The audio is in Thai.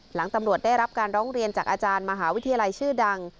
หลังตำรวจได้รับการร้องเรียนจากอาจารย์มหาวิทยาลัยชื่อดัง